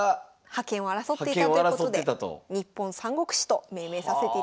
覇権を争っていたということで「日本三国志」と命名させていただきます。